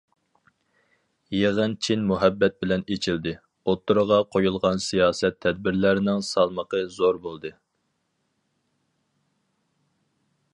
« يىغىن چىن مۇھەببەت بىلەن ئېچىلدى، ئوتتۇرىغا قويۇلغان سىياسەت- تەدبىرلەرنىڭ سالمىقى زور بولدى».